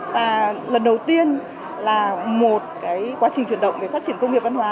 và lần đầu tiên là một cái quá trình chuyển động về phát triển công nghiệp văn hóa